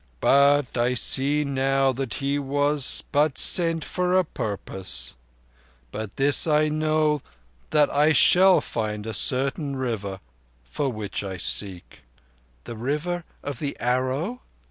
"But I see now that he was but sent for a purpose. By this I know that I shall find a certain River for which I seek." "The River of the Arrow?"